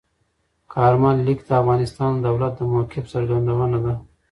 کارمل لیک د افغانستان د دولت د موقف څرګندونه ده.